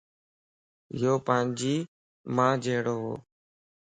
يو پانجي مان جھڙووَ